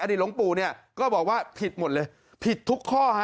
อดีตหลวงปู่ก็บอกว่าผิดหมดเลยผิดทุกข้อ